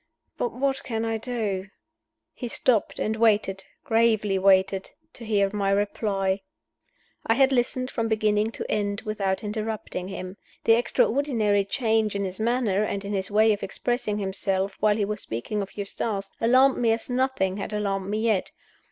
But what can I do?" He stopped, and waited gravely waited to hear my reply. I had listened from beginning to end without interrupting him. The extraordinary change in his manner, and in his way of expressing himself, while he was speaking of Eustace, alarmed me as nothing had alarmed me yet.